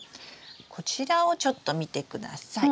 こちらをちょっと見てください。